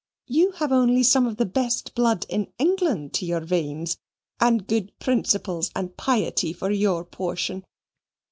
You have only some of the best blood in England in your veins, and good principles and piety for your portion.